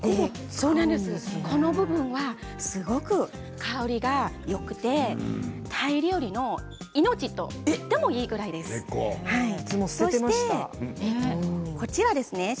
この部分はすごく香りがよくてタイ料理の命といってもいいくらいです。